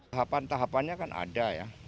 tahapan tahapannya kan ada ya